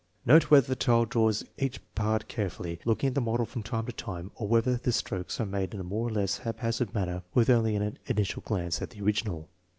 Note whether the child draws each part carefully, look ing at the model from time to time, or whether the strokes are made in a more or less haphazard manner with only an initial glance at the original.